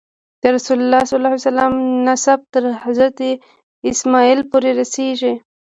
د رسول الله نسب تر حضرت اسماعیل پورې رسېږي.